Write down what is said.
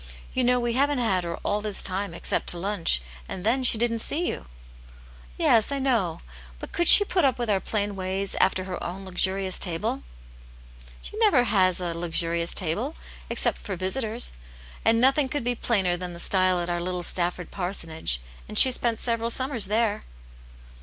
"You know we haven't had her all this time, except to lunch, and then she didn't see you." "Yes, I know. But could she put up with our plain ways, after her own luxurious table?" " She never has a " luxurious table," except for visitors. And nothing could be plainer than the style at our little Stafford parsonage, and she spent several summers there."